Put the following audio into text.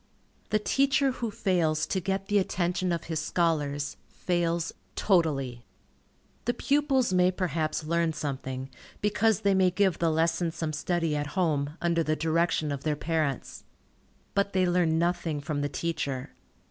The teacher who fails to get the attention of his scholars, fails totally. The pupils may perhaps learn something, because they may give the lesson some study at home, under the direction of their parents. But they learn nothing from the teacher.